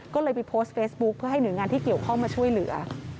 ก็เลยไปโพสต์เฟซบุ๊คเพื่อให้หน่วยงานที่เกี่ยวข้องมาช่วยเหลือ